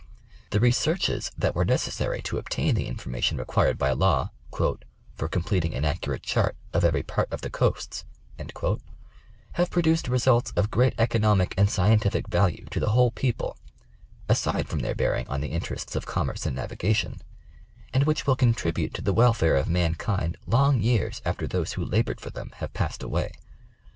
The researches that were necessary to obtain the information required by law " for completing an accurate chart of every part of the coasts," have produced results of great economic and scientific value to the whole people, aside from their bearing on the interests of commerce and navigation ; and which will con tribute to the welfare of mankind long years after those who labored for them have passed away.